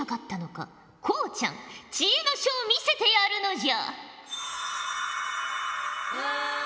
こうちゃん知恵の書を見せてやるのじゃ。